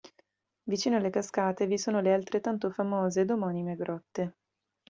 Vicino alle cascate vi sono le altrettanto famose ed omonime grotte.